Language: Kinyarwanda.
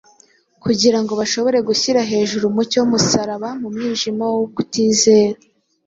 kugira ngo bashobore gushyira hejuru umucyo w’umusaraba mu mwijima wo kutizera.